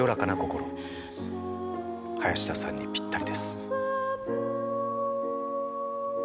林田さんにぴったりです。